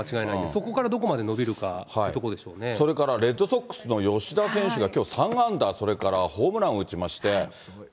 そこからどこまで伸びるかというそれからレッドソックスの吉田選手がきょう３安打、それからホームランを打ちまして。